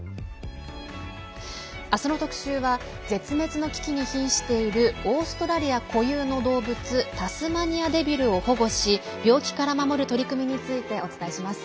明日の特集は絶滅の危機にひんしているオーストラリア固有の動物タスマニアデビルを保護し病気から守る取り組みについてお伝えします。